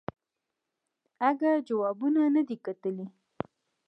اگه جوابونه ندي کتلي.